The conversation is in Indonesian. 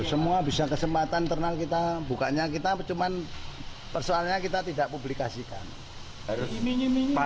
semua bisa kesempatan internal kita bukanya kita cuman persoalnya kita tidak publikasikan